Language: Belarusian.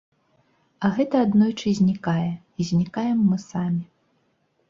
А гэта аднойчы знікае, і знікаем мы самі.